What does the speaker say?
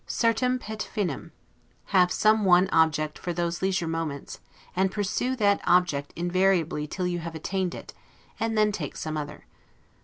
'Certum pete finem', have some one object for those leisure moments, and pursue that object invariably till you have attained it; and then take some other.